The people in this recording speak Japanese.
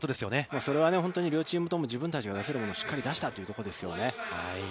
それは本当に両チームとも自分たちが出せるものをしっかり出したというところですよね。